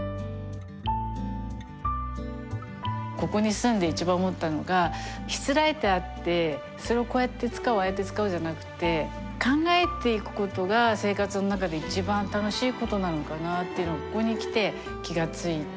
ここに住んで一番思ったのがしつらえてあってそれをこうやって使おうああやって使うじゃなくて考えていくことが生活の中で一番楽しいことなのかなっていうのここに来て気が付いた。